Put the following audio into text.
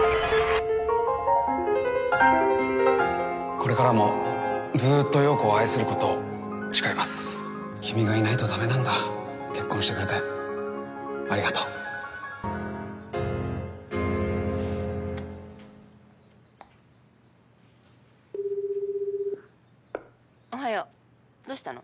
これからもずっと陽子を愛すること君がいないとダメなんだ結婚してくれてありがとうおはようどうしたの？